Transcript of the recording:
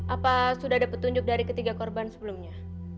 apa sudah ada petunjuk dari ketiga korban sebelumnya